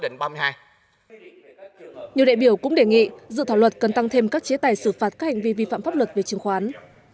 nhiều đại biểu cũng đề nghị dự thảo luật cần tăng thêm các chế tài xử phạt các hành vi vi phạm pháp luật về chứng khoán